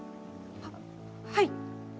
はっはい。